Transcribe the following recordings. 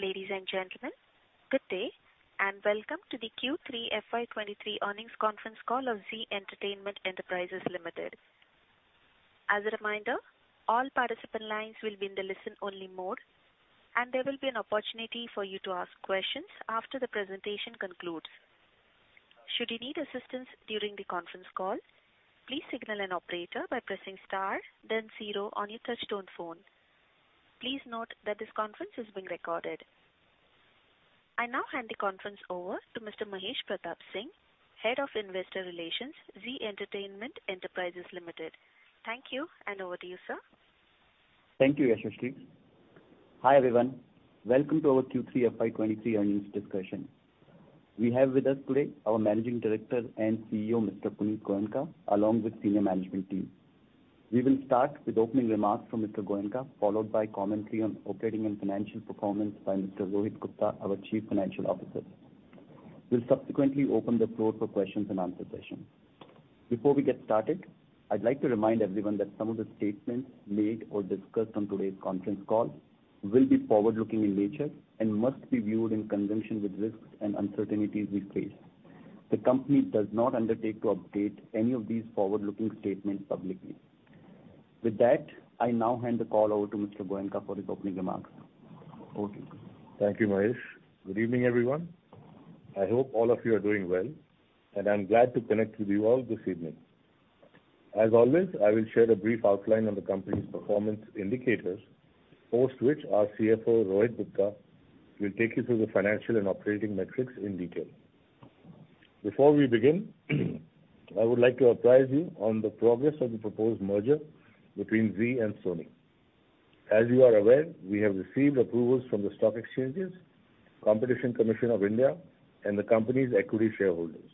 Ladies and gentlemen, good day. Welcome to the Q3 FY23 earnings conference call of Zee Entertainment Enterprises Limited. As a reminder, all participant lines will be in the listen-only mode. There will be an opportunity for you to ask questions after the presentation concludes. Should you need assistance during the conference call, please signal an operator by pressing star then 0 on your touch-tone phone. Please note that this conference is being recorded. I now hand the conference over to Mr. Mahesh Pratap Singh, Head of Investor Relations, Zee Entertainment Enterprises Limited. Thank you. Over to you, sir. Thank you, Yashaswi. Hi, everyone. Welcome to our Q3 FY23 earnings discussion. We have with us today our Managing Director and CEO, Mr. Punit Goenka, along with senior management team. We will start with opening remarks from Mr. Goenka, followed by commentary on operating and financial performance by Mr. Rohit Gupta, our Chief Financial Officer. We'll subsequently open the floor for questions and answer session. Before we get started, I'd like to remind everyone that some of the statements made or discussed on today's conference call will be forward-looking in nature and must be viewed in conjunction with risks and uncertainties we face. The company does not undertake to update any of these forward-looking statements publicly. I now hand the call over to Mr. Goenka for his opening remarks. Over to you. Thank you, Mahesh. Good evening, everyone. I hope all of you are doing well, and I'm glad to connect with you all this evening. As always, I will share a brief outline on the company's performance indicators, post which our CFO, Rohit Gupta, will take you through the financial and operating metrics in detail. Before we begin, I would like to apprise you on the progress of the proposed merger between Zee and Sony. As you are aware, we have received approvals from the stock exchanges, Competition Commission of India, and the company's equity shareholders.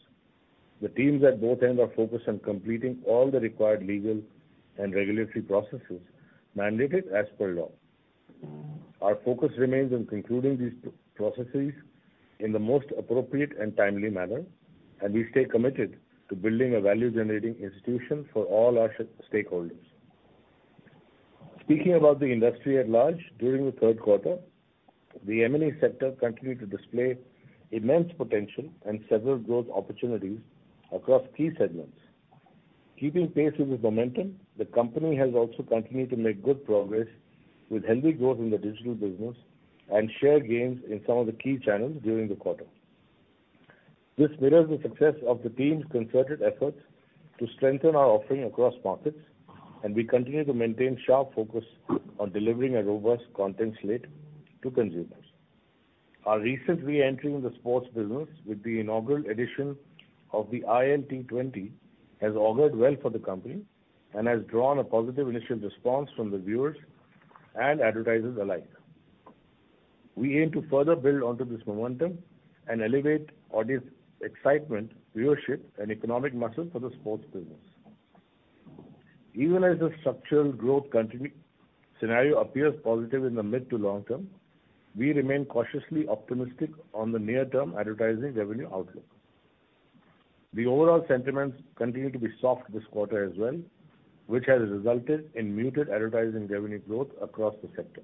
The teams at both ends are focused on completing all the required legal and regulatory processes mandated as per law. Our focus remains on concluding these processes in the most appropriate and timely manner, and we stay committed to building a value-generating institution for all our stakeholders. Speaking about the industry at large, during the third quarter, the M&E sector continued to display immense potential and several growth opportunities across key segments. Keeping pace with the momentum, the company has also continued to make good progress with healthy growth in the digital business and share gains in some of the key channels during the quarter. This mirrors the success of the team's concerted efforts to strengthen our offering across markets. We continue to maintain sharp focus on delivering a robust content slate to consumers. Our recent re-entry in the sports business with the inaugural edition of the ILT20 has augured well for the company and has drawn a positive initial response from the viewers and advertisers alike. We aim to further build onto this momentum and elevate audience excitement, viewership, and economic muscle for the sports business. Even as the structural growth scenario appears positive in the mid to long term, we remain cautiously optimistic on the near-term advertising revenue outlook. The overall sentiments continue to be soft this quarter as well, which has resulted in muted advertising revenue growth across the sector.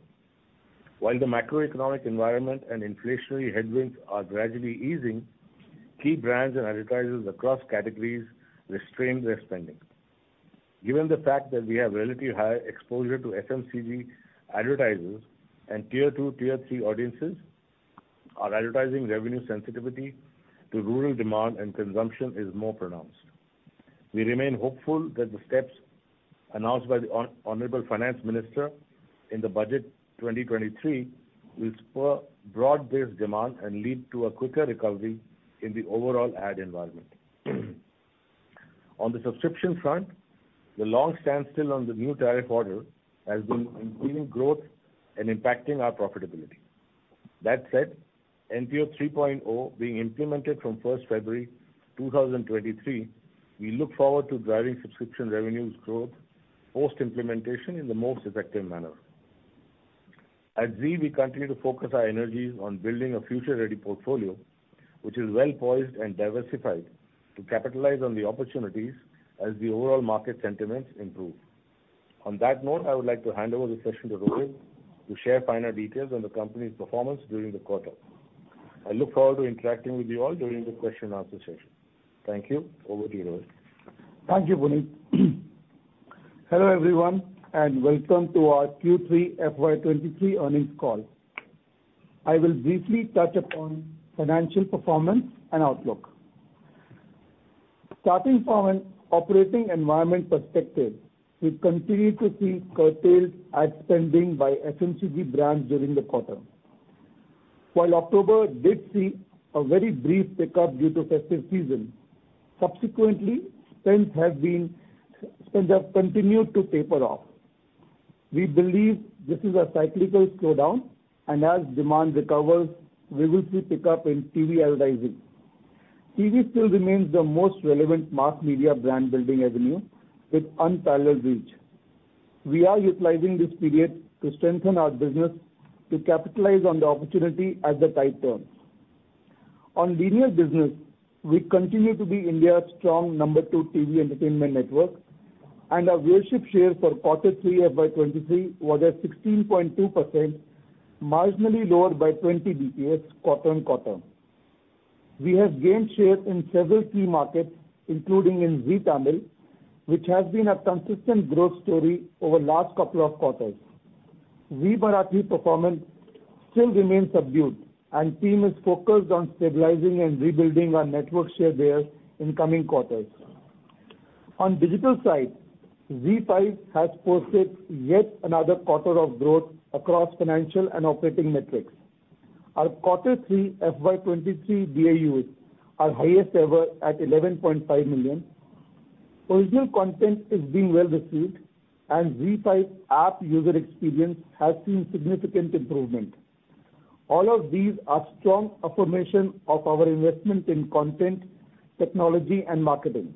While the macroeconomic environment and inflationary headwinds are gradually easing, key brands and advertisers across categories restrain their spending. Given the fact that we have relatively high exposure to FMCG advertisers and tier two, tier three audiences, our advertising revenue sensitivity to rural demand and consumption is more pronounced. We remain hopeful that the steps announced by the honorable Finance Minister in the Budget 2023 will spur broad-based demand and lead to a quicker recovery in the overall ad environment. On the subscription front, the long standstill on the new tariff order has been impeding growth and impacting our profitability. That said, NTO 3.0 being implemented from February 1, 2023, we look forward to driving subscription revenues growth post-implementation in the most effective manner. At Zee, we continue to focus our energies on building a future-ready portfolio, which is well-poised and diversified to capitalize on the opportunities as the overall market sentiments improve. On that note, I would like to hand over the session to Rohit to share finer details on the company's performance during the quarter. I look forward to interacting with you all during the question and answer session. Thank you. Over to you, Rohit. Thank you, Punit. Hello, everyone, welcome to our Q3 FY23 earnings call. I will briefly touch upon financial performance and outlook. Starting from an operating environment perspective, we continue to see curtailed ad spending by FMCG brands during the quarter. While October did see a very brief pickup due to festive season, subsequently, spends have continued to taper off. We believe this is a cyclical slowdown, as demand recovers, we will see pickup in TV advertising. TV still remains the most relevant mass media brand-building avenue with unparalleled reach. We are utilizing this period to strengthen our business to capitalize on the opportunity as the tide turns. On linear business, we continue to be India's strong number two TV entertainment network, our viewership share for Q3 FY23 was at 16.2%, marginally lower by 20 BPS quarter-on-quarter. We have gained share in several key markets, including in Zee Tamil, which has been a consistent growth story over last couple of quarters. Zee Bharati performance still remains subdued and team is focused on stabilizing and rebuilding our network share there in coming quarters. On digital side, ZEE5 has posted yet another quarter of growth across financial and operating metrics. Our Q3 FY23 DAUs are highest ever at 11.5 million. Original content is being well received, and ZEE5 app user experience has seen significant improvement. All of these are strong affirmation of our investment in content, technology and marketing.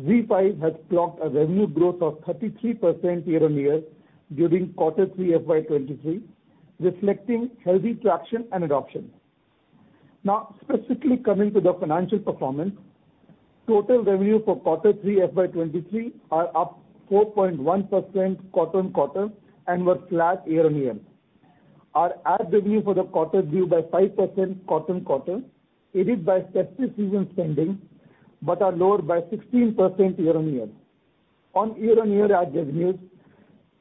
ZEE5 has clocked a revenue growth of 33% year-on-year during Q3 FY23, reflecting healthy traction and adoption. Specifically coming to the financial performance, total revenue for Q3 FY23 are up 4.1% quarter-on-quarter and were flat year-on-year. Our ad revenue for the quarter grew by 5% quarter-on-quarter, aided by festive season spending, but are lower by 16% year-on-year. On year-on-year ad revenues,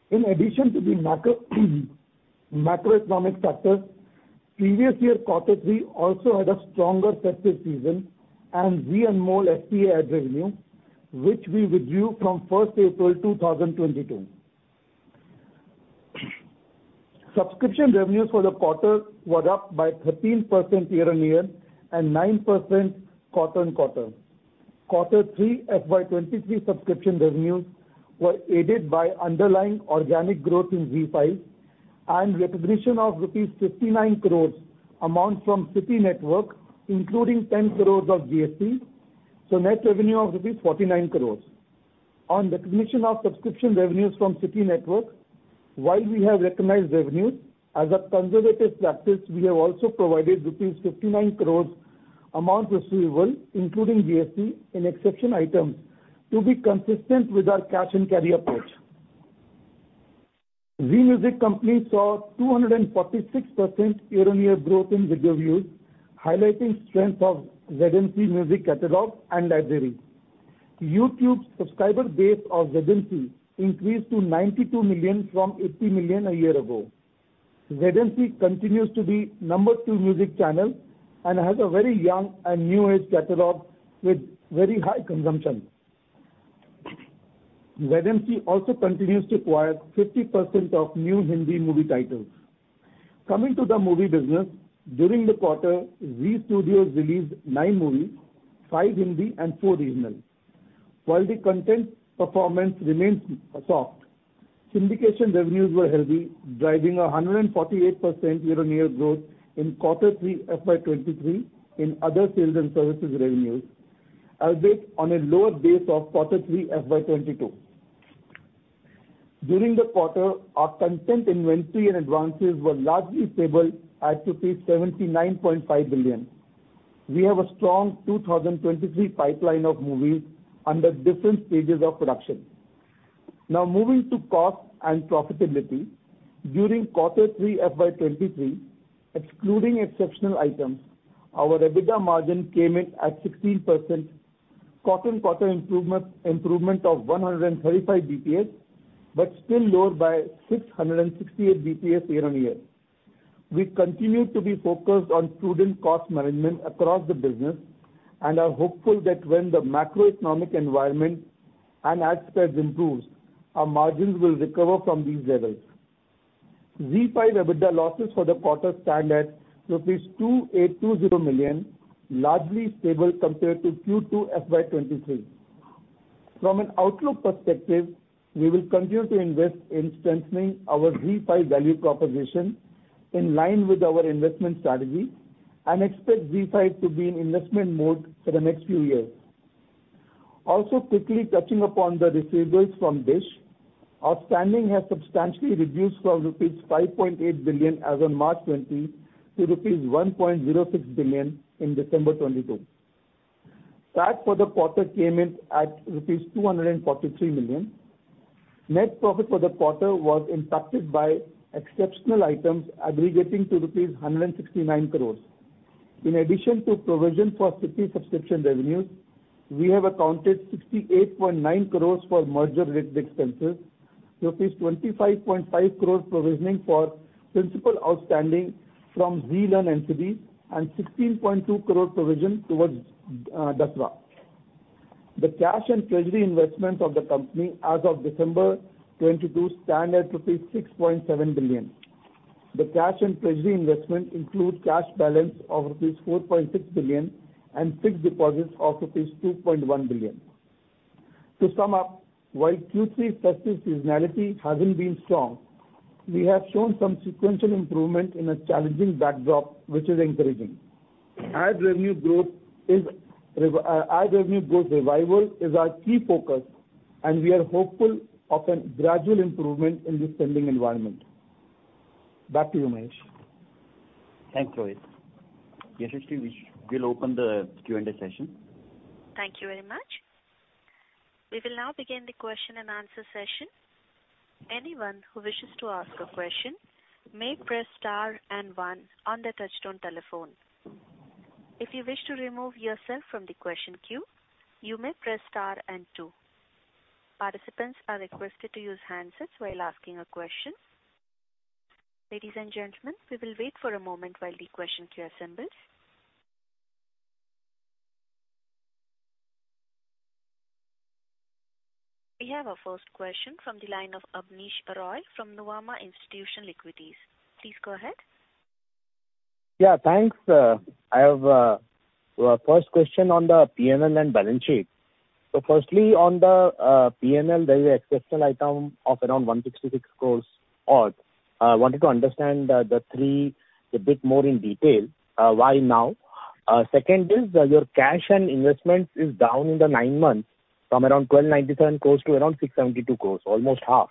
in addition to the macroeconomic factors, previous year quarter three also had a stronger festive season and Zee Anmol FTA ad revenue, which we reviewed from first April 2022. Subscription revenues for the quarter were up by 13% year-on-year and 9% quarter-on-quarter. Quarter three FY23 subscription revenues were aided by underlying organic growth in ZEE5 and recognition of rupees 59 crores amount from ZEE network, including 10 crores of GST, so net revenue of rupees 49 crores. On recognition of subscription revenues from ZEE network, while we have recognized revenues, as a conservative practice, we have also provided rupees 59 crores amount receivable, including GST in exceptional items, to be consistent with our cash and carry approach. Zee Music Company saw 246% year-on-year growth in video views, highlighting strength of ZMC music catalog and library. YouTube subscriber base of ZMC increased to 92 million from 80 million a year ago. ZMC continues to be number two music channel and has a very young and new age catalog with very high consumption. ZMC also continues to acquire 50% of new Hindi movie titles. Coming to the movie business, during the quarter, Zee Studios released nine movies, five Hindi and four regional. While the content performance remains soft, syndication revenues were healthy, driving 148% year-on-year growth in Q3 FY23 in other sales and services revenues, albeit on a lower base of Q3 FY22. During the quarter, our content inventory and advances were largely stable at 79.5 billion. We have a strong 2023 pipeline of movies under different stages of production. Moving to cost and profitability. During quarter three FY23, excluding exceptional items, our EBITDA margin came in at 16%, quarter-on-quarter improvement of 135 basis points, but still lower by 668 basis points year-on-year. We continue to be focused on prudent cost management across the business and are hopeful that when the macroeconomic environment and ad spends improves, our margins will recover from these levels. ZEE5 EBITDA losses for the quarter stand at rupees 2,820 million, largely stable compared to Q2 FY23. From an outlook perspective, we will continue to invest in strengthening our ZEE5 value proposition in line with our investment strategy and expect ZEE5 to be in investment mode for the next few years. Quickly touching upon the receivables from Dish. Outstanding has substantially reduced from rupees 5.8 billion as on March 20 to rupees 1.06 billion in December 2022. Tax for the quarter came in at rupees 243 million. Net profit for the quarter was impacted by exceptional items aggregating to rupees 169 crores. Provision for Zee subscription revenues, we have accounted 68.9 crores for merger-related expenses, rupees 25.5 crores provisioning for principal outstanding from Zee Learn entity and 16.2 crore provision towards Dasra. The cash and treasury investments of the company as of December 2022 stand at INR 6.7 billion. The cash and treasury investment includes cash balance of INR 4.6 billion and fixed deposits of INR 2.1 billion. To sum up, while Q3 festive seasonality hasn't been strong, we have shown some sequential improvement in a challenging backdrop, which is encouraging. Ad revenue growth is ad revenue growth revival is our key focus, and we are hopeful of an gradual improvement in the spending environment. Back to you, Mahesh. Thanks, Rohit. Yashaswi will open the Q&A session. Thank you very much. We will now begin the question and answer session. Anyone who wishes to ask a question may press star and one on their touchtone telephone. If you wish to remove yourself from the question queue, you may press star and two. Participants are requested to use handsets while asking a question. Ladies and gentlemen, we will wait for a moment while the question queue assembles. We have our first question from the line of Abneesh Roy from Nuvama Institutional Equities. Please go ahead. Yeah, thanks. I have first question on the PNL and balance sheet. Firstly, on the PNL, there is an exceptional item of around 166 crores odd. I wanted to understand the three a bit more in detail. Why now? Second is, your cash and investments is down in the 9 months from around 1,297 crores to around 672 crores, almost half.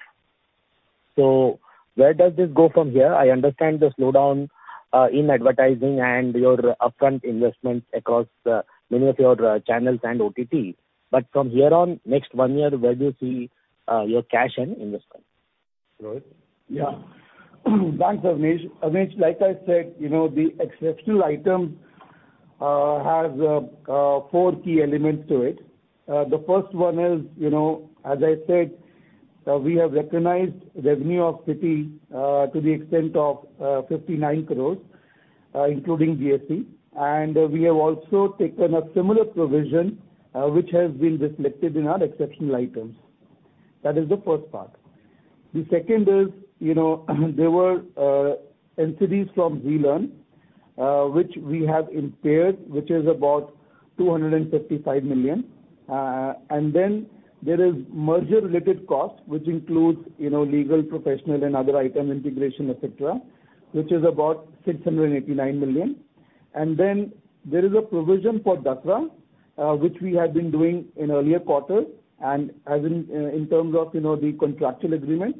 Where does this go from here? I understand the slowdown in advertising and your upfront investments across many of your channels and OTT. From here on next 1 year, where do you see your cash and investments? Rohit? Yeah. Thanks, Abnish. Abnish, like I said, you know, the exceptional item has four key elements to it. The first one is, you know, as I said, we have recognized revenue of Siti to the extent of 59 crores, including GST. We have also taken a similar provision, which has been reflected in our exceptional items. That is the first part. The second is, you know, there were entities from Zee Learn, which we have impaired, which is about 255 million. There is merger-related cost, which includes, you know, legal, professional and other item integration, et cetera, which is about 689 million. There is a provision for Dasra, which we had been doing in earlier quarter. In terms of, you know, the contractual agreement,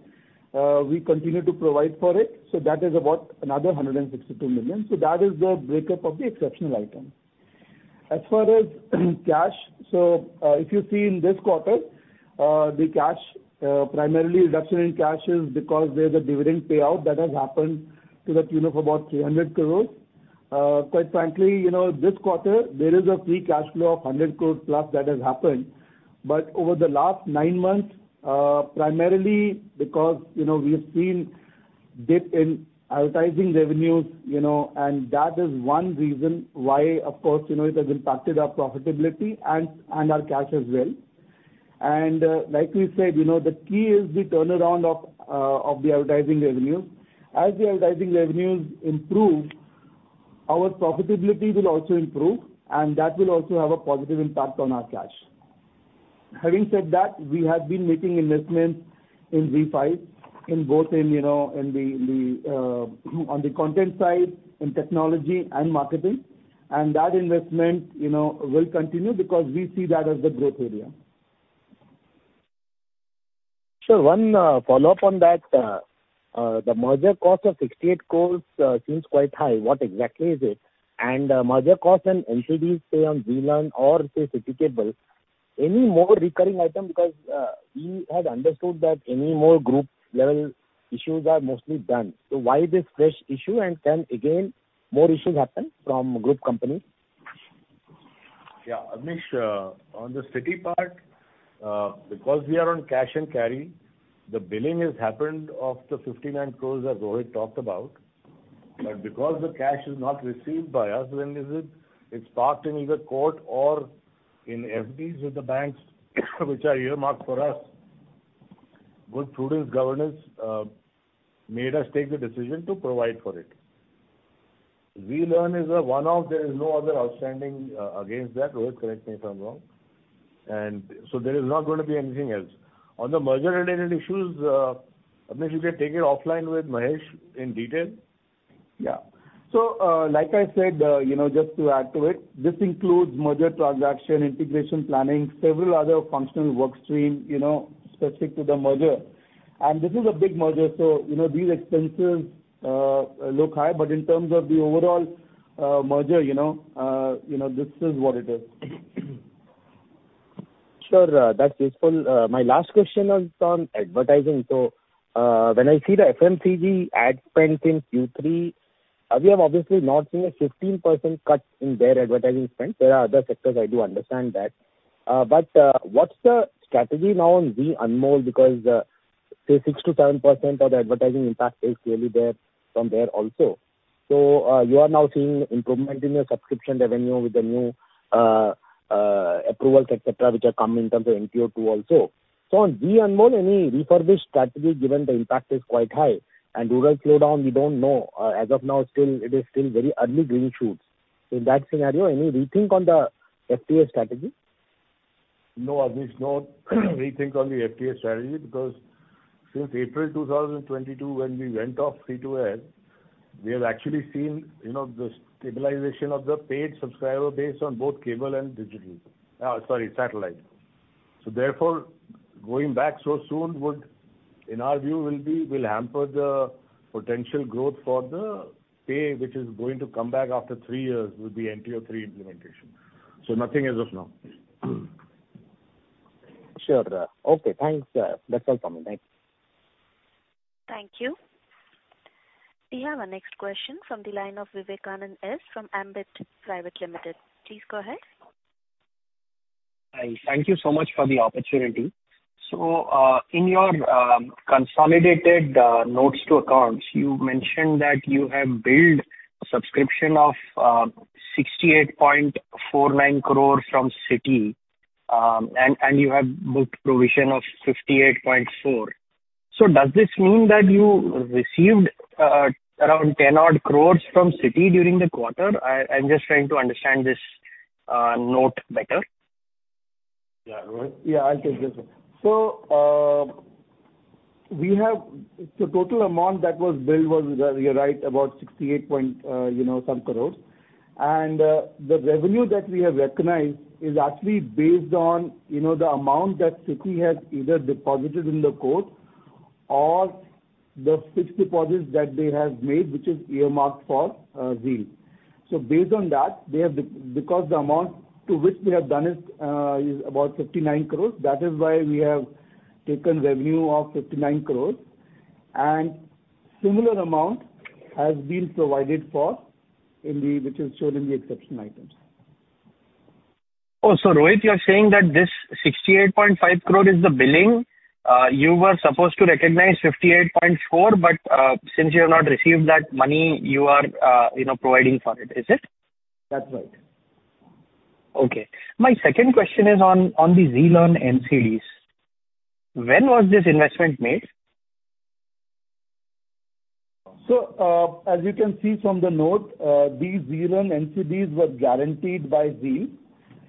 we continue to provide for it. That is about another 162 million. That is the breakup of the exceptional item. As far as cash, if you see in this quarter, the cash, primarily reduction in cash is because there's a dividend payout that has happened to the tune of about 300 crores. Quite frankly, you know, this quarter there is a free cash flow of 100 crores plus that has happened. Over the last nine months, primarily because, you know, we have seen dip in advertising revenues, you know, and that is one reason why of course, you know, it has impacted our profitability and our cash as well. Like we said, you know, the key is the turnaround of the advertising revenue. As the advertising revenues improve, our profitability will also improve, and that will also have a positive impact on our cash. Having said that, we have been making investments in ZEE5 in both in, you know, in the content side, in technology and marketing. That investment, you know, will continue because we see that as the growth area. Sir, one, follow-up on that. The merger cost of 68 crores seems quite high. What exactly is it? Merger cost and NCD, say on Zee Learn or say Siti Networks, any more recurring item? We had understood that any more group level issues are mostly done. Why this fresh issue? Can again more issues happen from group companies? Abnish, on the Siti part, because we are on cash and carry, the billing has happened of the 59 crore that Rohit talked about. Because the cash is not received by us when is it's parked in either court or in FDs with the banks which are earmarked for us. Good prudence governance made us take the decision to provide for it. Zee Learn is a one-off. There is no other outstanding against that. Rohit, correct me if I'm wrong. There is not gonna be anything else. On the merger-related issues, Abnish, you can take it offline with Mahesh in detail. Like I said, you know, just to add to it, this includes merger transaction, integration planning, several other functional workstream, you know, specific to the merger. This is a big merger, so, you know, these expenses, look high, but in terms of the overall, merger, you know, you know, this is what it is. Sure. That's useful. My last question is on advertising. When I see the FMCG ad spend in Q3, we have obviously not seen a 15% cut in their advertising spend. There are other sectors, I do understand that. What's the strategy now on Zee Anmol because, say 6%-7% of the advertising impact is clearly there from there also. You are now seeing improvement in your subscription revenue with the new, approvals, et cetera, which have come in terms of NTO 2.0 also. On Zee Anmol, any refurbished strategy, given the impact is quite high and rural slowdown, we don't know. As of now, still it is still very early green shoots. In that scenario, any rethink on the FTA strategy? No, Abneesh. No rethink on the FTA strategy because since April 2022, when we went off free-to-air, we have actually seen, you know, the stabilization of the paid subscriber base on both cable and digital. Sorry, satellite. Therefore, going back so soon would, in our view, will hamper the potential growth for the pay which is going to come back after three years with the NTO 3.0 implementation. Nothing as of now. Sure. Okay, thanks. That's all from me. Thanks. Thank you. We have our next question from the line of Vivekananda S. from Ambit Private Limited. Please go ahead. Hi. Thank you so much for the opportunity. In your consolidated notes to accounts, you mentioned that you have billed a subscription of 68.49 crore from Siti and you have booked provision of 58.4. Does this mean that you received around 10 odd crores from Siti during the quarter? I'm just trying to understand this note better. Yeah. Rohit? Yeah, I'll take this one. We have... The total amount that was billed was, you're right, about 68 point, you know, some crores. The revenue that we have recognized is actually based on, you know, the amount that Siti has either deposited in the court or the fixed deposits that they have made, which is earmarked for, Zee. Based on that, they have because the amount to which we have done it, is about 59 crores, that is why we have taken revenue of 59 crores. Similar amount has been provided for in the, which is shown in the exception items. Rohit, you are saying that this 68.5 crore is the billing, you were supposed to recognize 58.4, since you have not received that money, you are, you know, providing for it. Is it? That's right. Okay. My second question is on the Zee Learn NCDs. When was this investment made? as you can see from the note, these Zee Learn NCDs were guaranteed by Zee,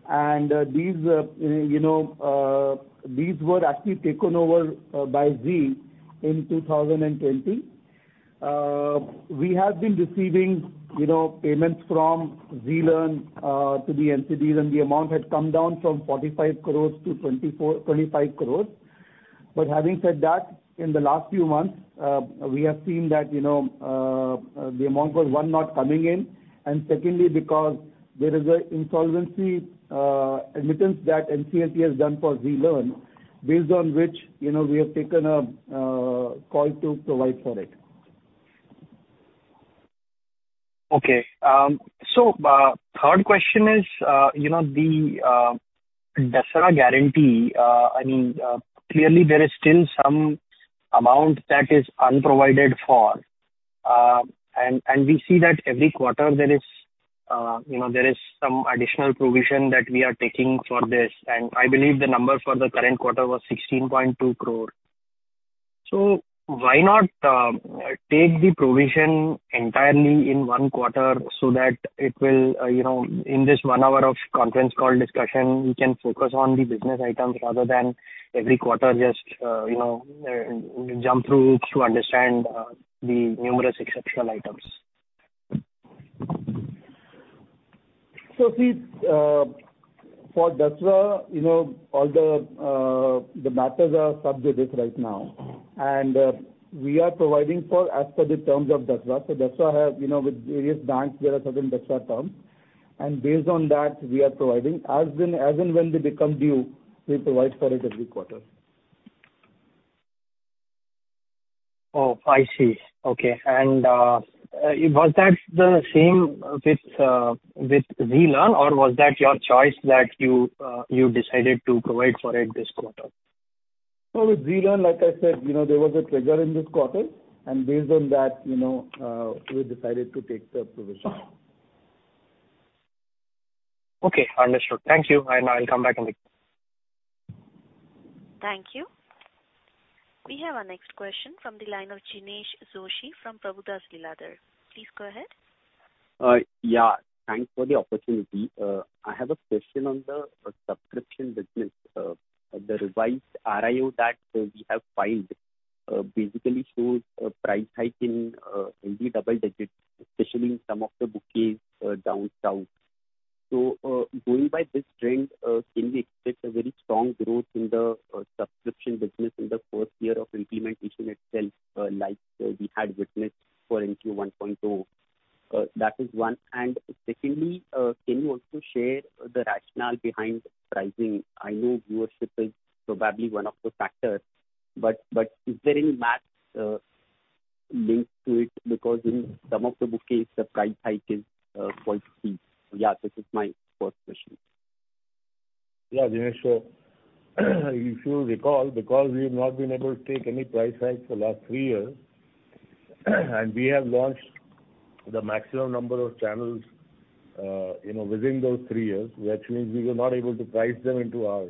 and these, you know, these were actually taken over by Zee in 2020. we have been receiving, you know, payments from Zee Learn, to the NCDs, and the amount had come down from 45 crores to 24-25 crores. having said that, in the last few months, we have seen that, you know, the amount was, one, not coming in, and secondly, because there is a insolvency, admittance that NCLT has done for Zee Learn, based on which, you know, we have taken a call to provide for it. Okay. Third question is, you know, the Dasra guarantee, clearly there is still some amount that is unprovided for. We see that every quarter there is some additional provision that we are taking for this. I believe the number for the current quarter was 16.2 crore. Why not take the provision entirely in one quarter so that it will, in this one hour of conference call discussion, we can focus on the business items rather than every quarter just jump through to understand the numerous exceptional items. See, for Dasra, you know, all the matters are sub judice right now. We are providing for as per the terms of Dasra. Dasra have, you know, with various banks, there are certain Dasra terms. Based on that, we are providing. As and when they become due, we provide for it every quarter. Oh, I see. Okay. Was that the same with Zee Learn, or was that your choice that you decided to provide for it this quarter? With Zee Learn, like I said, you know, there was a trigger in this quarter, and based on that, you know, we decided to take the provision. Okay. Understood. Thank you. I'll come back in the... Thank you. We have our next question from the line of Jinesh Joshi from Prabhudas Lilladher. Please go ahead. Yeah, thanks for the opportunity. I have a question on the subscription business. The revised RIO that we have filed, basically shows a price hike in only double digits, especially in some of the bouquets, down South. Going by this trend, can we expect a very strong growth in the subscription business in the first year of implementation itself, like we had witnessed for NTO 1.0? That is one. Secondly, can you also share the rationale behind pricing? I know viewership is probably one of the factors, but is there any math linked to it? Because in some of the bouquets the price hike is quite steep. This is my first question. Yeah. Jinesh, if you recall, because we've not been able to take any price hike for the last 3 years, and we have launched the maximum number of channels, you know, within those 3 years, which means we were not able to price them into our,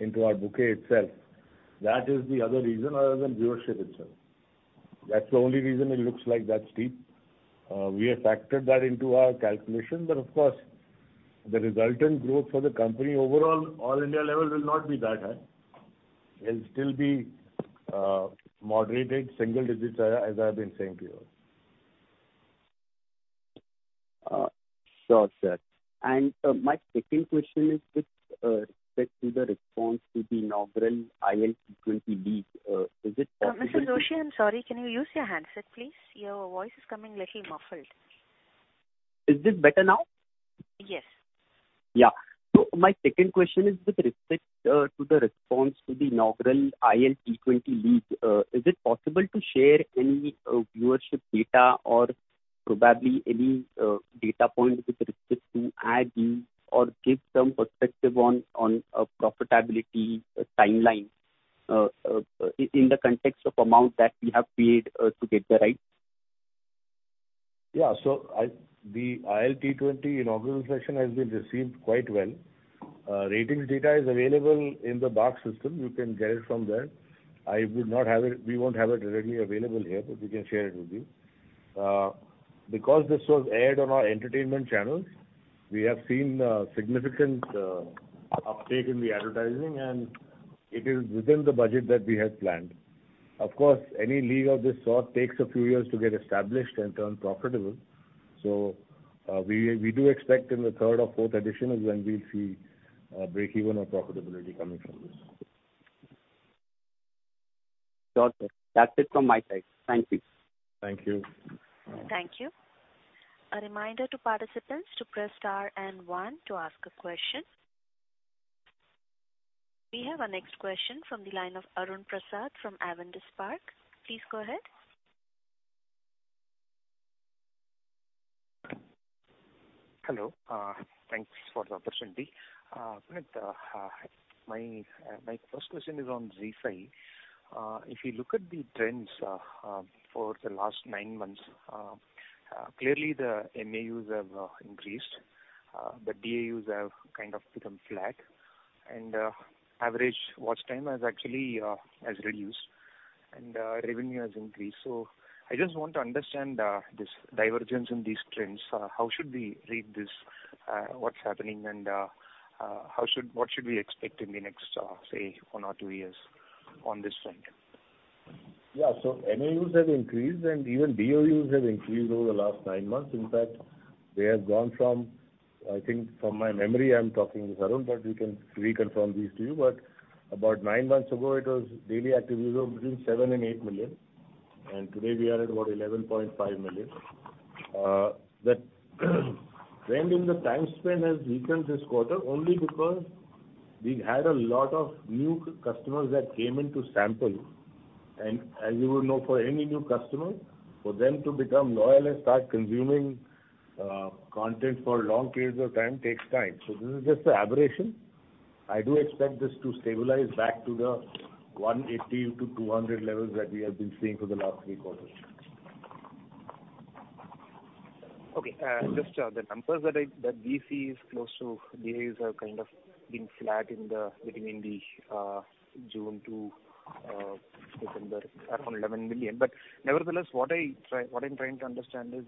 into our bouquet itself. That is the other reason other than viewership itself. That's the only reason it looks like that steep. We have factored that into our calculation. Of course, the resultant growth for the company overall, all India level will not be that high. It'll still be moderated single digits, as I've been saying to you. Sure, sir. My second question is with respect to the response to the inaugural ILT20 league. Is it possible... Mr. Joshi, I'm sorry, can you use your handset, please? Your voice is coming a little muffled. Is this better now? Yes. Yeah. My second question is with respect to the response to the inaugural ILT20 league, is it possible to share any viewership data or probably any data point with respect to ad view or give some perspective on profitability timeline in the context of amount that we have paid to get the right? Yeah. I... the ILT20 inaugural session has been received quite well. Ratings data is available in the box system. You can get it from there. I would not have it, we won't have it directly available here, but we can share it with you. Because this was aired on our entertainment channels, we have seen a significant uptake in the advertising, and it is within the budget that we had planned. Of course, any league of this sort takes a few years to get established and turn profitable. We, we do expect in the third or fourth edition is when we'll see breakeven or profitability coming from this. Got it. That's it from my side. Thank you. Thank you. Thank you. A reminder to participants to press star and one to ask a question. We have our next question from the line of Arun Prasath from Avendus Spark. Please go ahead. Hello. Thanks for the opportunity. Punit, my first question is on ZEE5. If you look at the trends for the last nine months, clearly the MAUs have increased, the DAUs have kind of become flat and average watch time has actually reduced and revenue has increased. I just want to understand this divergence in these trends. How should we read this, what's happening and what should we expect in the next say one or two years on this front? MAUs have increased and even DAUs have increased over the last 9 months. In fact, they have gone from, I think from my memory, I'm talking, Arun, but we can reconfirm these to you. About 9 months ago it was daily active users between 7 million-8 million, and today we are at about 11.5 million. The trend in the time spent has weakened this quarter only because we had a lot of new customers that came in to sample. As you would know, for any new customer, for them to become loyal and start consuming content for long periods of time takes time. This is just an aberration. I do expect this to stabilize back to the 180-200 levels that we have been seeing for the last 3 quarters. Okay. Just the numbers that we see is close to DAUs have kind of been flat between June to September around 11 million. Nevertheless, what I'm trying to understand is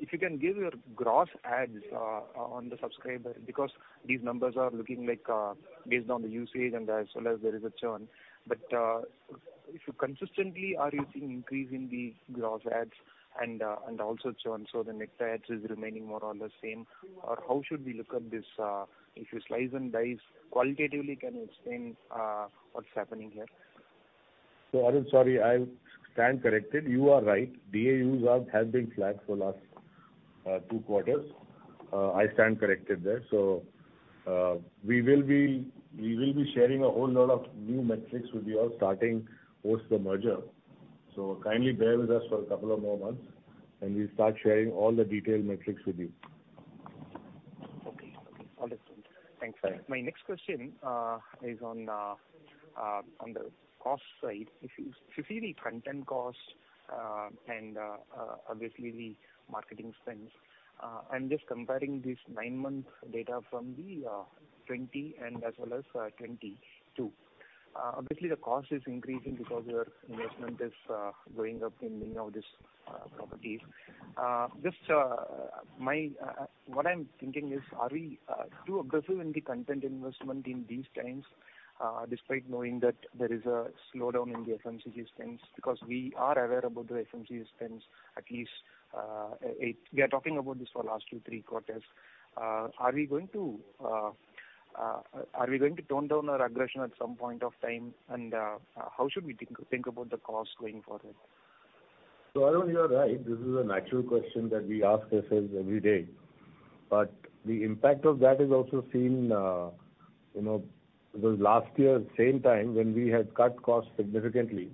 if you can give your gross adds on the subscriber, because these numbers are looking like based on the usage and as well as the retention. But if you consistently are using increase in the gross adds and also the net adds is remaining more or less the same, or how should we look at this? If you slice and dice qualitatively, can you explain what's happening here? Arun, sorry, I stand corrected. You are right. DAUs have been flat for last 2 quarters. I stand corrected there. We will be sharing a whole lot of new metrics with you all starting post the merger. kindly bear with us for a couple of more months and we'll start sharing all the detailed metrics with you. Okay. Okay. All right. Thanks. Right. My next question is on the cost side. If you see the content costs and obviously the marketing spends, I'm just comparing this 9-month data from the 2020 and as well as 2022. Obviously the cost is increasing because your investment is going up in, you know, this properties. Just my what I'm thinking is, are we too aggressive in the content investment in these times, despite knowing that there is a slowdown in the FMCG spends because we are aware about the FMCG spends at least. We are talking about this for the last two, three quarters. Are we going to tone down our aggression at some point of time? How should we think about the costs going forward? Arun, you are right. This is a natural question that we ask ourselves every day. The impact of that is also seen, you know, because last year's same time when we had cut costs significantly,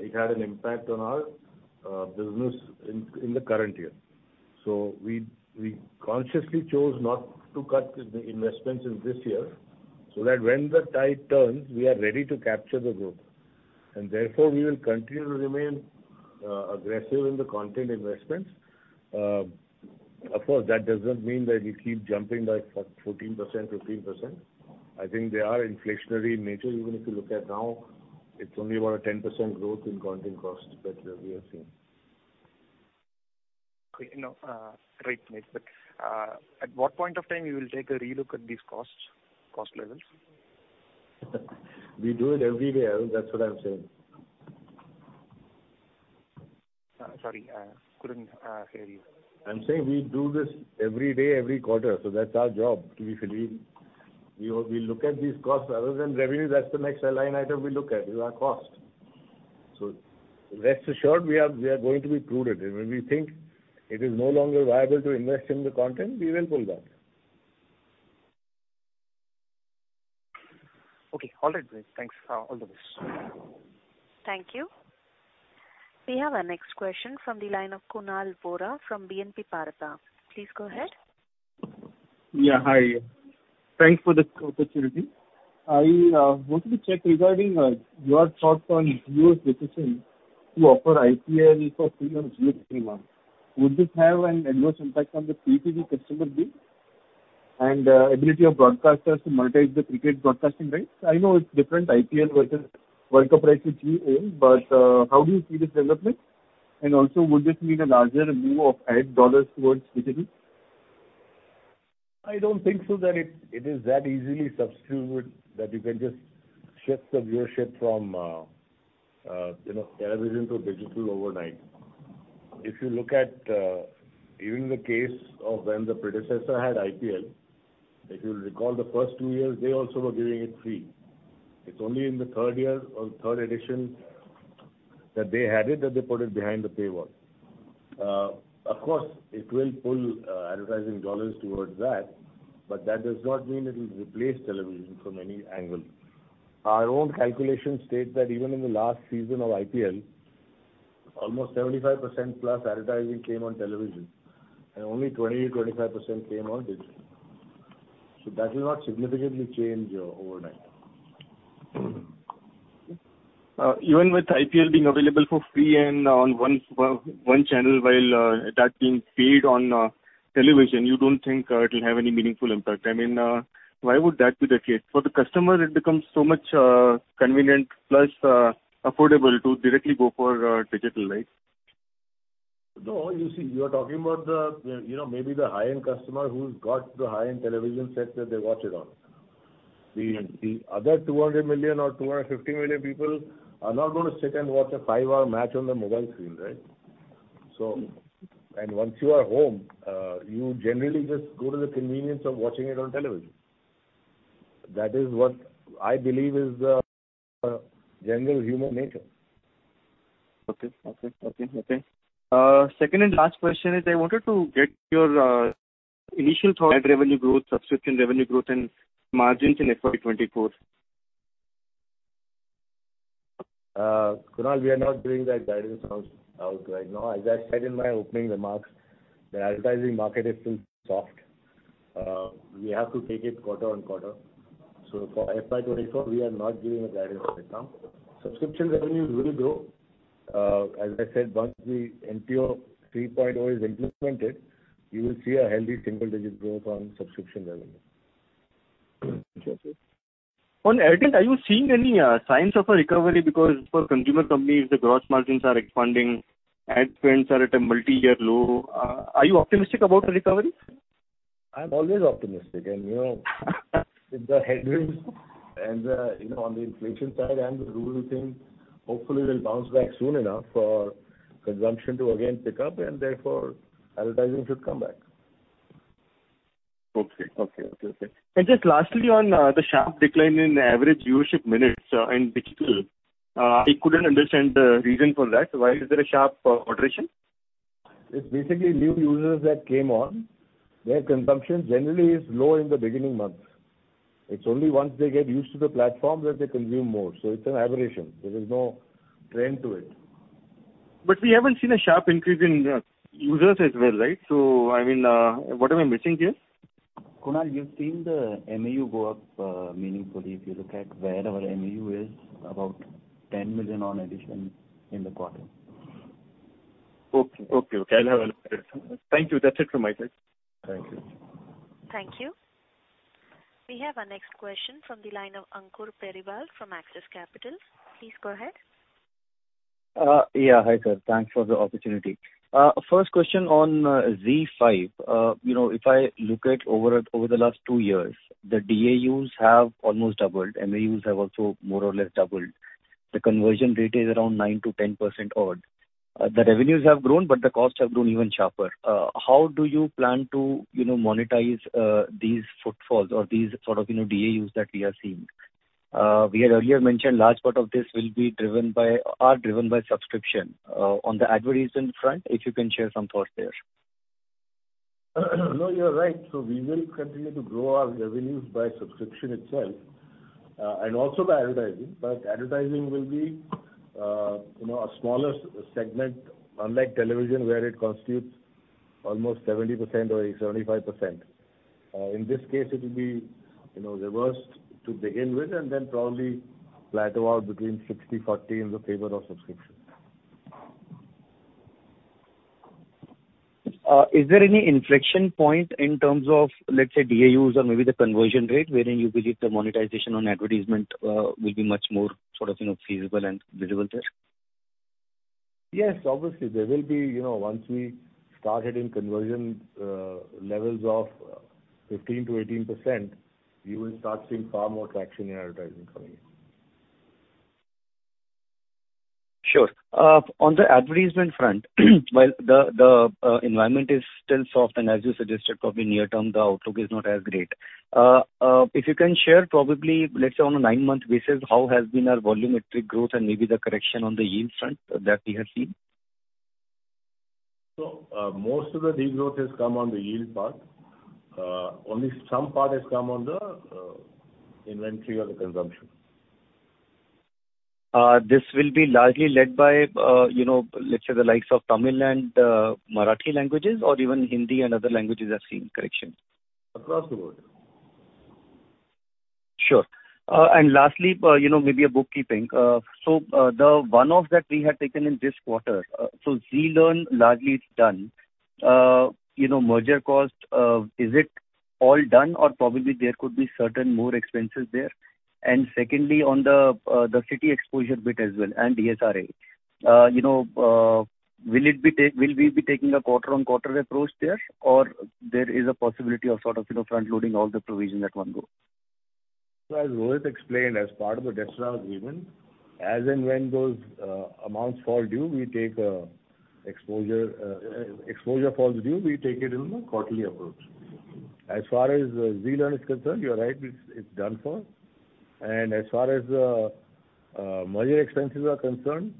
it had an impact on our business in the current year. We consciously chose not to cut the investments in this year so that when the tide turns, we are ready to capture the growth and therefore we will continue to remain aggressive in the content investments. Of course, that doesn't mean that we keep jumping by 14%, 15%. I think they are inflationary in nature. Even if you look at now, it's only about a 10% growth in content costs that we are seeing. Okay. You know, great. At what point of time you will take a relook at these costs, cost levels? We do it every day, Arun. That's what I'm saying. Sorry, I couldn't hear you. I'm saying we do this every day, every quarter, that's our job to be prudent. We look at these costs. Other than revenue, that's the next line item we look at, is our cost. Rest assured we are going to be prudent. When we think it is no longer viable to invest in the content, we will pull back. Okay. All right, great. Thanks. All the best. Thank you. We have our next question from the line of Kunal Bora from BNP Paribas. Please go ahead. Yeah, hi. Thanks for this opportunity. I wanted to check regarding your thoughts on Jio's decision to offer IPL for free on JioCinema. Would this have an adverse impact on the PTV customer base and ability of broadcasters to monetize the cricket broadcasting rights? I know it's different, IPL versus World Cup rights, which you own, but how do you see this development? Would this mean a larger move of ad dollars towards digital? I don't think so that it is that easily substituted that you can just shift the viewership from, you know, television to digital overnight. If you look at even the case of when the predecessor had IPL, if you'll recall the first two years, they also were giving it free. It's only in the third year or third edition that they had it, that they put it behind the paywall. Of course, it will pull advertising dollars towards that, but that does not mean it will replace television from any angle. Our own calculations state that even in the last season of IPL, almost 75%+ advertising came on television and only 20%-25% came on digital. That will not significantly change overnight. Even with IPL being available for free and on one channel while, that's being paid on television, you don't think it'll have any meaningful impact? I mean, why would that be the case? For the customer it becomes so much convenient plus affordable to directly go for digital, right? No, you see, you are talking about the, you know, maybe the high-end customer who's got the high-end television set that they watch it on. The other 200 million or 250 million people are not gonna sit and watch a 5-hour match on the mobile screen, right? Once you are home, you generally just go to the convenience of watching it on television. That is what I believe is general human nature. Okay. Okay. Okay. Okay. Second and last question is I wanted to get your initial thought, revenue growth, subscription revenue growth and margins in FY24. Kunal, we are not doing that guidance out right now. As I said in my opening remarks, the advertising market is still soft. We have to take it quarter on quarter. For FY24, we are not giving a guidance at this time. Subscription revenue will grow. As I said, once the NTO 3.0 is implemented, you will see a healthy single digit growth on subscription revenue. Interesting. On ad tech are you seeing any signs of a recovery? For consumer companies, the gross margins are expanding, ad trends are at a multi-year low. Are you optimistic about a recovery? I'm always optimistic and, you know, with the headwinds and, you know, on the inflation side and the rule thing, hopefully we'll bounce back soon enough for consumption to again pick up and therefore advertising should come back. Okay. Okay. Okay. Okay. Just lastly, on the sharp decline in average viewership minutes in digital, I couldn't understand the reason for that. Why is there a sharp alteration? It's basically new users that came on. Their consumption generally is low in the beginning months. It's only once they get used to the platform that they consume more, so it's an aberration. There is no trend to it. We haven't seen a sharp increase in users as well, right? I mean, what am I missing here? Kunal, you've seen the MAU go up meaningfully. If you look at where our MAU is, about 10 million on addition in the quarter. Okay. Okay. Okay. I'll have a look at it. Thank you. That's it from my side. Thank you. Thank you. We have our next question from the line of Ankur Periwal from Axis Capital. Please go ahead. Yeah. Hi, sir. Thanks for the opportunity. First question on Zee5. You know, if I look at over the last 2 years, the DAUs have almost doubled. MAUs have also more or less doubled. The conversion rate is around 9%-10% odd. The revenues have grown, but the costs have grown even sharper. How do you plan to, you know, monetize these footfalls or these sort of, you know, DAUs that we are seeing? We had earlier mentioned large part of this are driven by subscription. On the advertisement front, if you can share some thoughts there. You're right. We will continue to grow our revenues by subscription itself, and also by advertising. Advertising will be, you know, a smaller segment, unlike television, where it constitutes almost 70% or 80%, 75%. In this case it will be, you know, reversed to begin with and then probably plateau out between 60/40 in the favor of subscription. Is there any inflection point in terms of, let's say, DAUs or maybe the conversion rate wherein you believe the monetization on advertisement will be much more sort of, you know, feasible and visible there? Yes, obviously there will be, you know, once we started in conversion, levels 15%-18%, you will start seeing far more traction in advertising coming in. Sure. On the advertisement front, while the environment is still soft, and as you suggested, probably near term, the outlook is not as great. If you can share probably, let's say, on a nine-month basis, how has been our volumetric growth and maybe the correction on the yield front that we have seen? Most of the de-growth has come on the yield part. Only some part has come on the inventory or the consumption. This will be largely led by, you know, let's say the likes of Tamil and, Marathi languages, or even Hindi and other languages are seeing corrections. Across the board. Sure. Lastly, you know, maybe a bookkeeping. The one-off that we had taken in this quarter, Zee Learn largely is done. You know, merger cost, is it all done or probably there could be certain more expenses there? Secondly, on the Siti exposure bit as well, and DSRA. You know, will we be taking a quarter-on-quarter approach there, or there is a possibility of sort of, you know, front-loading all the provision at one go? As Rohit explained, as part of the DSRA agreement, as and when those amounts fall due, exposure falls due, we take it in a quarterly approach. As far as Zee Learn is concerned, you're right, it's done for. As far as the merger expenses are concerned,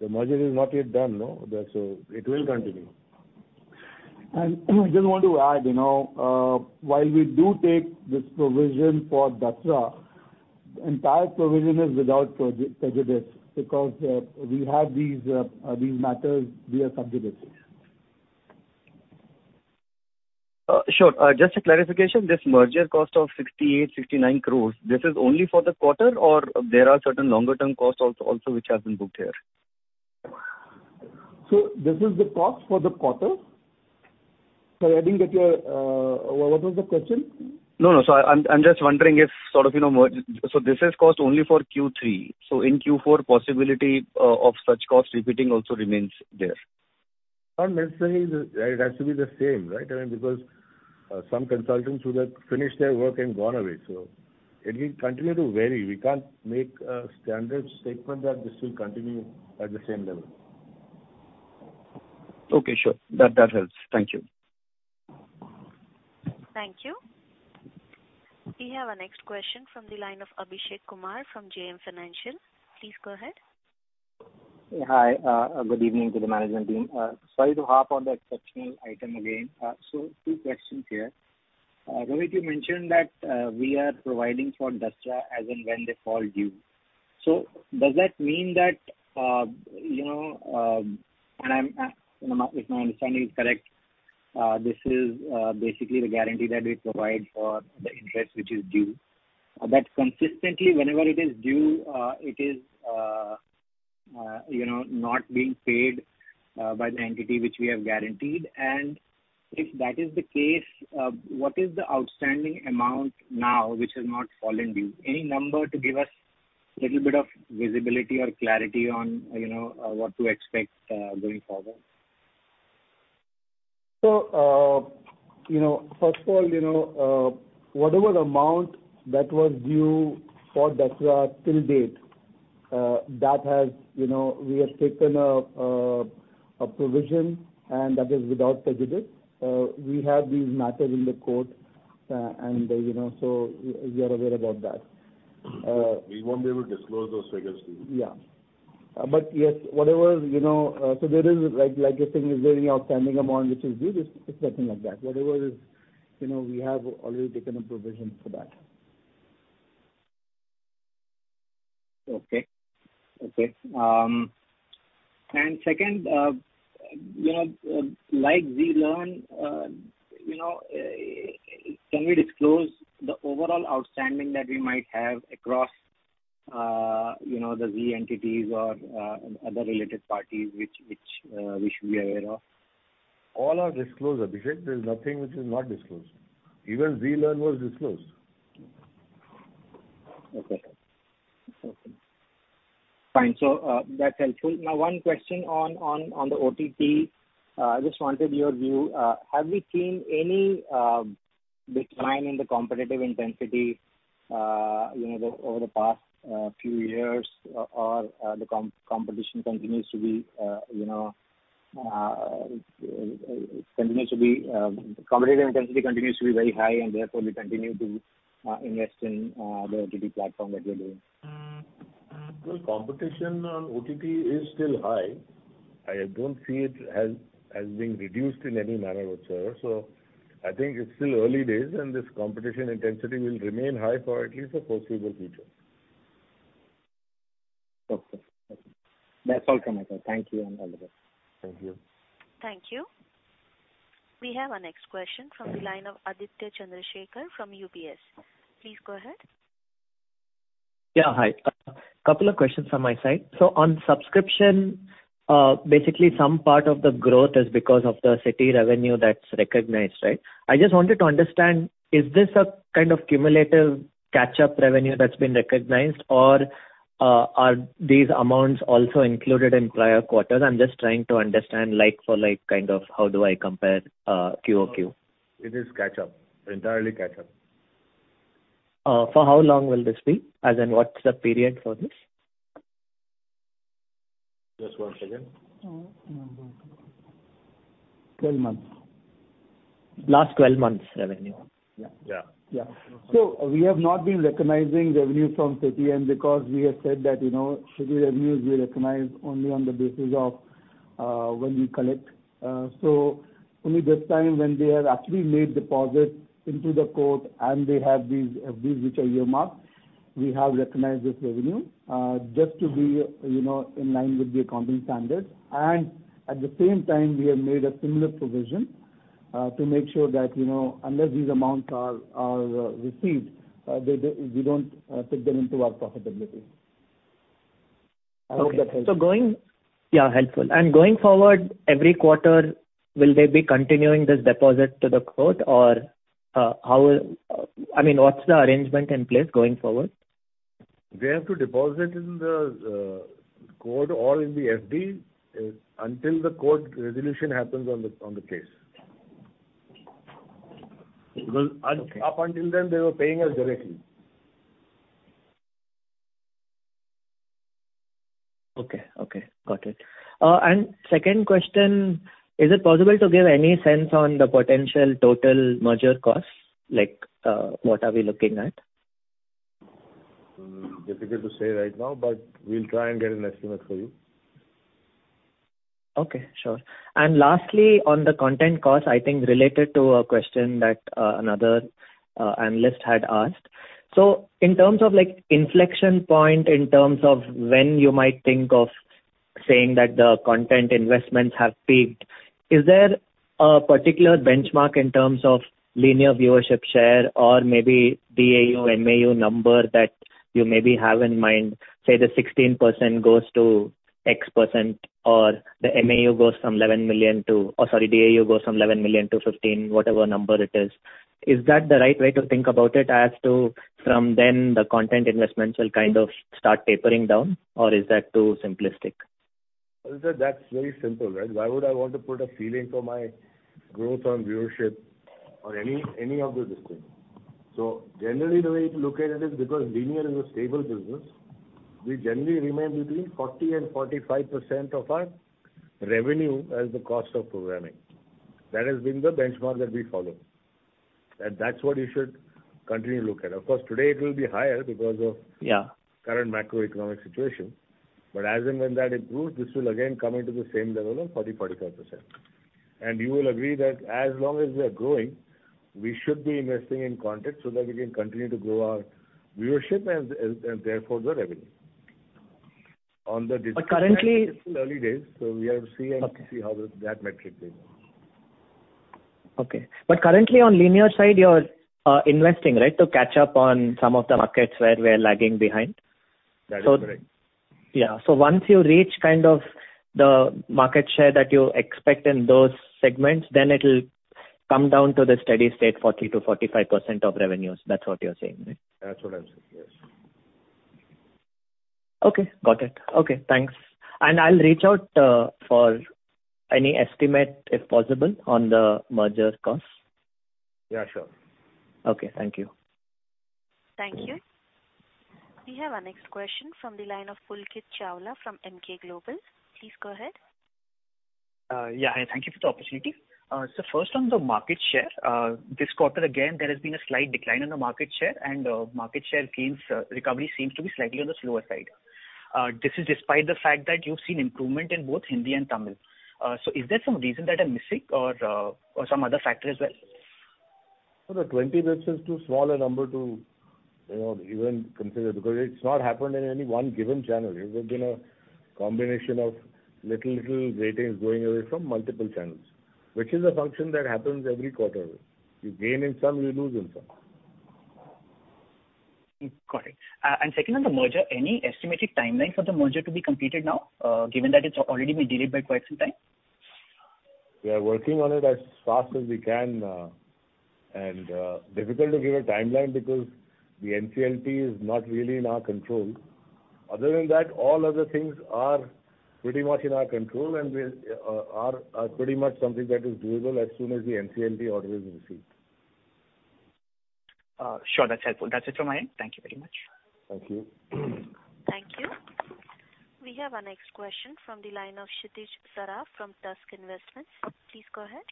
the merger is not yet done, no? That's, it will continue. Just want to add, you know, while we do take this provision for DSRA, entire provision is without prejudice because, we have these matters via subsidiaries. Sure. Just a clarification, this merger cost of 68-69 crores, this is only for the quarter or there are certain longer term costs also which have been booked here? This is the cost for the quarter. Sorry, I didn't get what was the question? No, no. I'm just wondering if sort of, you know. This is cost only for Q3. In Q4 possibility of such costs repeating also remains there. Not necessarily that it has to be the same, right? I mean, because some consultants who have finished their work and gone away, it will continue to vary. We can't make a standard statement that this will continue at the same level. Okay, sure. That helps. Thank you. Thank you. We have our next question from the line of Abhishek Kumar from JM Financial. Please go ahead. Hi. good evening to the management team. sorry to harp on the exceptional item again. two questions here. Rohit, you mentioned that we are providing for DSRA as and when they fall due. Does that mean that, you know, and I'm, if my understanding is correct, this is basically the guarantee that we provide for the interest which is due? Consistently whenever it is due, it is, you know, not being paid by the entity which we have guaranteed. If that is the case, what is the outstanding amount now which has not fallen due? Any number to give us little bit of visibility or clarity on, you know, what to expect going forward? You know, first of all, you know, whatever amount that was due for DSRA till date, that has, you know, we have taken a provision and that is without prejudice. We have these matters in the court, and, you know, so we are aware about that. We won't be able to disclose those figures to you. Yeah. Yes, whatever, you know, so there is like you're saying, is there any outstanding amount which is due? It's nothing like that. Whatever is, you know, we have already taken a provision for that. Okay. Okay. Second, you know, like Zee Learn, you know, can we disclose the overall outstanding that we might have across, you know, the Zee entities or other related parties which, we should be aware of? All are disclosed, Abhishek. There's nothing which is not disclosed. Even Zee Learn was disclosed. Okay. Okay. Fine, that's helpful. Now one question on the OTT. Just wanted your view. Have we seen any decline in the competitive intensity, you know, the, over the past few years or the competition continues to be, you know, competitive intensity continues to be very high and therefore we continue to invest in the OTT platform that we are doing? Competition on OTT is still high. I don't see it as being reduced in any manner whatsoever. I think it's still early days and this competition intensity will remain high for at least the foreseeable future. Okay. That's all from my side. Thank you and all the best. Thank you. Thank you. We have our next question from the line of Aditya Chandrashekhar from UBS. Please go ahead. Yeah, hi. A couple of questions from my side. On subscription, basically some part of the growth is because of the Siti revenue that's recognized, right? I just wanted to understand, is this a kind of cumulative catch-up revenue that's been recognized or, are these amounts also included in prior quarters? I'm just trying to understand like for like kind of how do I compare, Q over Q. It is catch-up. Entirely catch-up. For how long will this be? As in what's the period for this? Just one second. 12 months. Last 12 months' revenue. Yeah. Yeah. Yeah. We have not been recognizing revenue from Siti because we have said that, you know, should the revenues be recognized only on the basis of when we collect. Only this time when they have actually made deposits into the court and they have these which are earmarked, we have recognized this revenue just to be, you know, in line with the accounting standards. At the same time, we have made a similar provision to make sure that, you know, unless these amounts are received, we don't take them into our profitability. I hope that helps. Yeah, helpful. Going forward, every quarter will they be continuing this deposit to the court or, I mean, what's the arrangement in place going forward? They have to deposit in the court or in the FD until the court resolution happens on the case. Okay. Because up until then, they were paying us directly. Okay. Okay. Got it. Second question, is it possible to give any sense on the potential total merger costs? Like, what are we looking at? Difficult to say right now, we'll try and get an estimate for you. Okay, sure. Lastly, on the content costs, I think related to a question that another analyst had asked. In terms of like inflection point, in terms of when you might think of saying that the content investments have peaked, is there a particular benchmark in terms of linear viewership share or maybe DAU, MAU number that you maybe have in mind? Say the 16% goes to X percent or the MAU goes from 11 million to... Or sorry, DAU goes from 11 million to 15, whatever number it is. Is that the right way to think about it as to from then the content investments will kind of start tapering down or is that too simplistic? Aditya, that's very simple, right? Why would I want to put a ceiling for my growth on viewership or any of those things? Generally, the way to look at it is because linear is a stable business, we generally remain between 40% and 45% of our revenue as the cost of programming. That has been the benchmark that we follow. That's what you should continue to look at. Of course, today it will be higher because of- Yeah... current macroeconomic situation. As and when that improves, this will again come into the same level of 40%-45%. You will agree that as long as we are growing, we should be investing in content so that we can continue to grow our viewership and therefore the revenue. On the Disney side. But currently- it's still early days, so we have to see and. Okay... see how that metric goes. Okay. currently on linear side, you're investing, right, to catch up on some of the markets where we're lagging behind? That is correct. Yeah. Once you reach kind of the market share that you expect in those segments, then it'll come down to the steady state, 40%-45% of revenues. That's what you're saying, right? That's what I'm saying. Yes. Okay. Got it. Okay. Thanks. I'll reach out for any estimate if possible on the merger costs. Yeah, sure. Okay. Thank you. Thank you. We have our next question from the line of Pulkit Chawla from Emkay Global. Please go ahead. Yeah. Thank you for the opportunity. First on the market share, this quarter again, there has been a slight decline in the market share and market share gains, recovery seems to be slightly on the slower side. This is despite the fact that you've seen improvement in both Hindi and Tamil. Is there some reason that I'm missing or some other factor as well? The 20 bits is too small a number to, you know, even consider because it's not happened in any one given channel. It has been a combination of little ratings going away from multiple channels, which is a function that happens every quarter. You gain in some, you lose in some. Got it. Second on the merger, any estimated timeline for the merger to be completed now, given that it's already been delayed by quite some time? We are working on it as fast as we can. Difficult to give a timeline because the NCLT is not really in our control. All other things are pretty much in our control and we are pretty much something that is doable as soon as the NCLT order is received. Sure. That's helpful. That's it from my end. Thank you very much. Thank you. Thank you. We have our next question from the line of Kshitij Saraf from Tusk Investments. Please go ahead.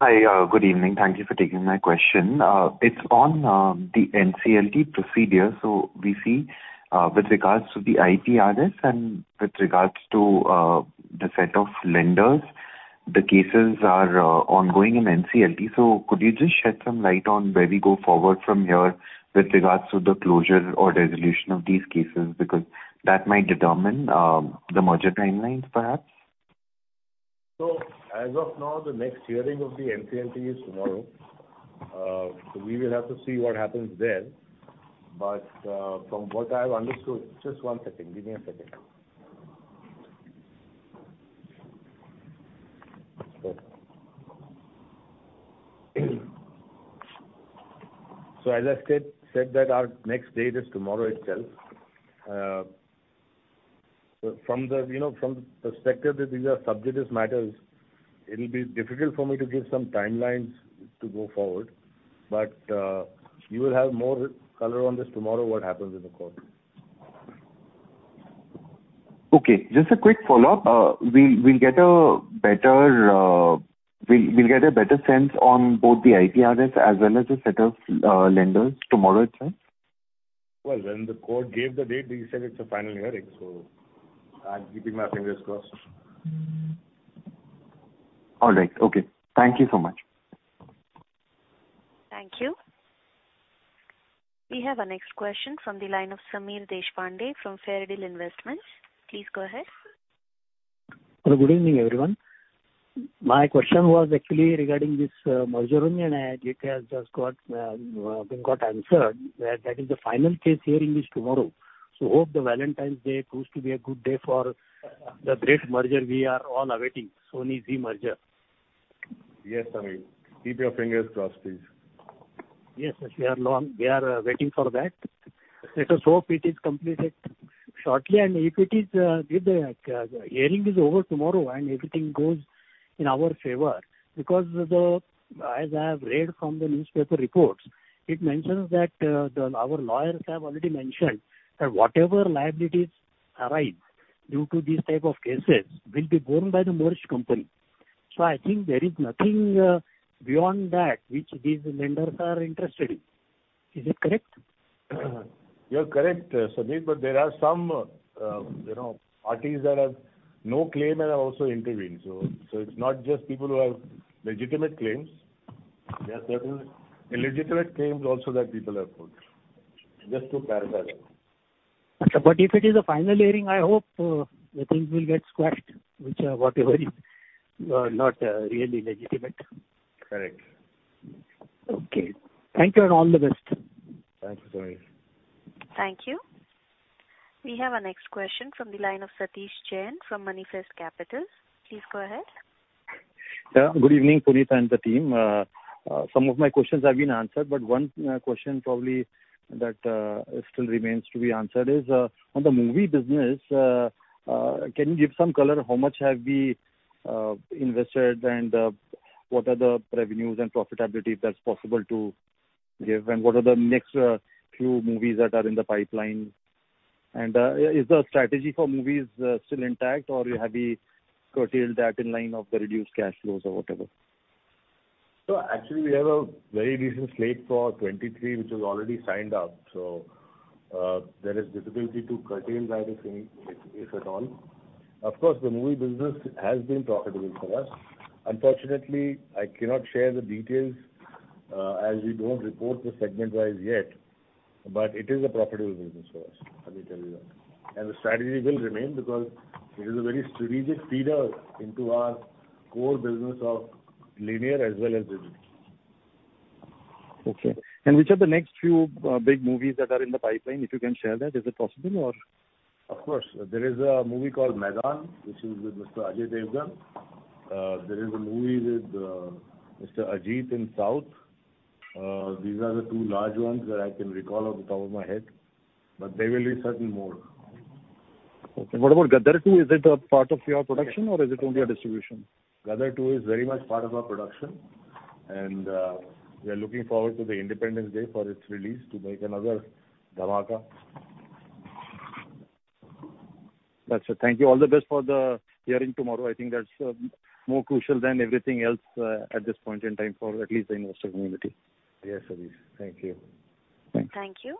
Hi. good evening. Thank you for taking my question. it's on the NCLT procedure. We see with regards to the ITRS and with regards to the set of lenders, the cases are ongoing in NCLT. Could you just shed some light on where we go forward from here with regards to the closure or resolution of these cases? Because that might determine the merger timelines perhaps. As of now, the next hearing of the NCLT is tomorrow. We will have to see what happens there. From what I've understood... Just one second. Give me a second. As I said that our next date is tomorrow itself. From the, you know, from the perspective that these are subjective matters, it'll be difficult for me to give some timelines to go forward. You will have more color on this tomorrow, what happens in the court. Okay, just a quick follow-up. We'll get a better sense on both the ITRS as well as the set of lenders tomorrow itself? Well, when the court gave the date, they said it's a final hearing, so I'm keeping my fingers crossed. All right. Okay. Thank you so much. Thank you. We have our next question from the line of Sameer Deshpande from Fairdeal Investments. Please go ahead. Hello, good evening, everyone. My question was actually regarding this merger only, and it has just got been got answered. That is the final case hearing is tomorrow. Hope the Valentine's Day proves to be a good day for the great merger we are all awaiting, Sony-Zee merger. Yes, Sameer. Keep your fingers crossed, please. Yes, we are long, we are waiting for that. Let us hope it is completed shortly. If it is, if the hearing is over tomorrow and everything goes in our favor. As I have read from the newspaper reports, it mentions that, the, our lawyers have already mentioned that whatever liabilities arise due to these type of cases will be borne by the merged company. I think there is nothing, beyond that which these lenders are interested in. Is it correct? You're correct, Sameer, but there are some, you know, parties that have no claim and have also intervened. It's not just people who have legitimate claims. There are certain illegitimate claims also that people have put, just to clarify. If it is a final hearing, I hope, the things will get squashed, which are whatever, not really legitimate. Correct. Okay. Thank you and all the best. Thanks, Sameer. Thank you. We have our next question from the line of Satish Jain from Monifest Capital. Please go ahead. Yeah, good evening, Punit and the team. Some of my questions have been answered, but one question probably that still remains to be answered is on the movie business. Can you give some color, how much have we invested, and what are the revenues and profitability, if that's possible to give? What are the next few movies that are in the pipeline? Is the strategy for movies still intact, or have we curtailed that in line of the reduced cash flows or whatever? Actually we have a very decent slate for 2023, which is already signed up. There is difficulty to curtail that if any, if at all. Of course, the movie business has been profitable for us. Unfortunately, I cannot share the details, as we don't report the segment-wise yet, but it is a profitable business for us, let me tell you that. The strategy will remain because it is a very strategic feeder into our core business of linear as well as digital. Okay. Which are the next few big movies that are in the pipeline, if you can share that? Is it possible or... Of course. There is a movie called Maidaan, which is with Mr. Ajay Devgn. There is a movie with Mr. Ajith in South. These are the two large ones that I can recall off the top of my head, but there will be certain more. Okay. What about Gadar 2? Is it a part of your production or is it only a distribution? Gadar 2 is very much part of our production, and, we are looking forward to the Independence Day for its release to make another dhamaka. That's it. Thank you. All the best for the hearing tomorrow. I think that's more crucial than everything else at this point in time for at least the investor community. Yes, Satish. Thank you. Thanks. Thank you.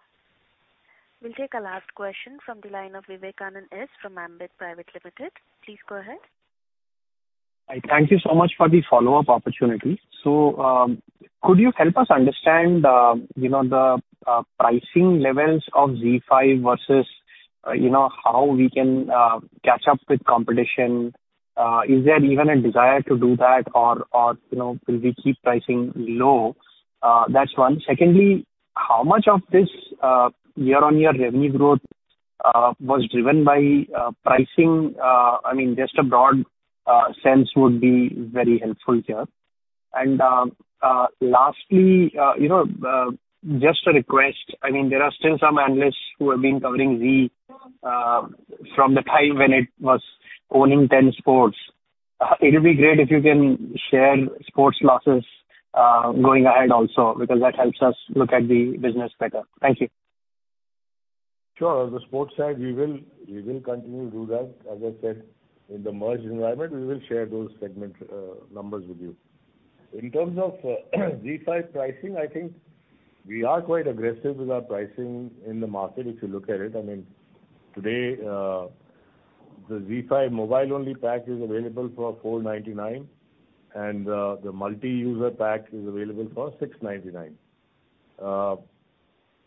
We'll take our last question from the line of Vivekanand S. from Ambit Private Limited. Please go ahead. Hi. Thank you so much for the follow-up opportunity. Could you help us understand the pricing levels of ZEE5 versus how we can catch up with competition? Is there even a desire to do that or will we keep pricing low? That's one. Secondly, how much of this year-over-year revenue growth was driven by pricing? I mean, just a broad sense would be very helpful here. Lastly, just a request, I mean, there are still some analysts who have been covering Zee from the time when it was owning Ten Sports. It'll be great if you can share sports losses going ahead also, because that helps us look at the business better. Thank you. Sure. The sports side, we will continue to do that. As I said, in the merged environment, we will share those segment numbers with you. In terms of ZEE5 pricing, I think we are quite aggressive with our pricing in the market, if you look at it. I mean, today, the ZEE5 mobile-only pack is available for 499, and the multi-user pack is available for 699.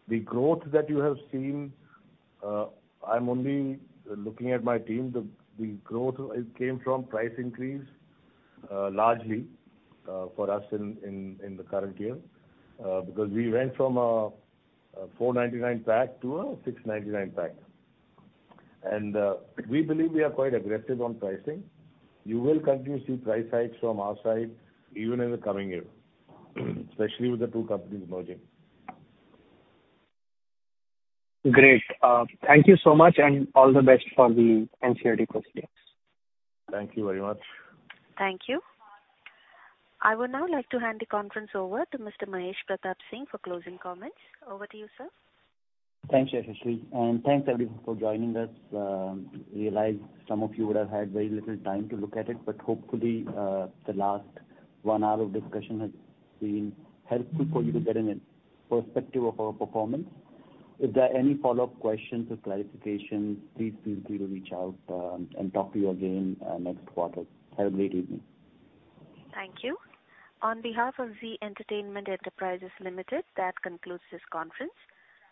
The growth that you have seen, I'm only looking at my team, the growth it came from price increase, largely for us in the current year, because we went from a 499 pack to a 699 pack. We believe we are quite aggressive on pricing. You will continue to see price hikes from our side even in the coming year, especially with the two companies merging. Great. Thank you so much, and all the best for the NCLT proceedings. Thank you very much. Thank you. I would now like to hand the conference over to Mr. Mahesh Pratap Singh for closing comments. Over to you, sir. Thanks, Yashaswini, and thanks, everyone, for joining us. Realize some of you would have had very little time to look at it, but hopefully, the last one hour of discussion has been helpful for you to get a perspective of our performance. If there are any follow-up questions or clarifications, please feel free to reach out, and talk to you again, next quarter. Have a great evening. Thank you. On behalf of Zee Entertainment Enterprises Limited, that concludes this conference.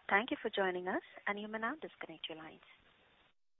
Thank you for joining us. You may now disconnect your lines.